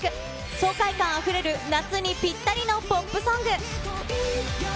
爽快感あふれる、夏にぴったりのポップソング。